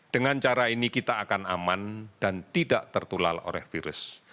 dengan cara ini kita akan aman dan tidak tertulal oleh virus